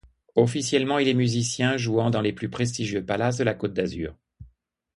Officiellement, il est musicien, jouant dans les plus prestigieux palaces de la Côte d’Azur.